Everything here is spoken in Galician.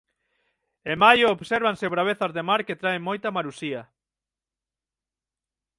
En maio obsérvanse bravezas de mar que traen moita marusía.